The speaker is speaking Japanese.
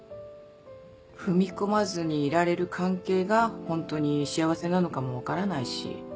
踏み込まずにいられる関係がホントに幸せなのかも分からないし。